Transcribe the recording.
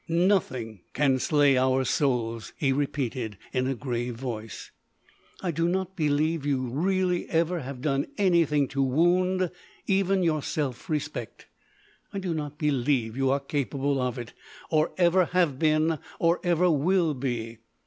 "Nothing can slay our souls," he repeated in a grave voice. "I do not believe you really ever have done anything to wound even your self respect. I do not believe you are capable of it, or ever have been, or ever will be.